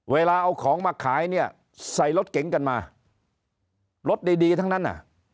เวลาเอาของมาขายใส่รถเก่งกันมารถดีทั้งนั้น